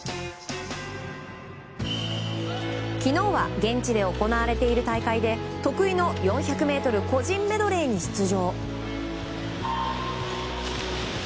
昨日は現地で行われている大会で得意の４００ｍ個人メドレーに出場。